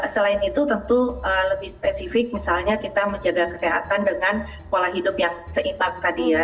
selain itu tentu lebih spesifik misalnya kita menjaga kesehatan dengan pola hidup yang seimbang tadi ya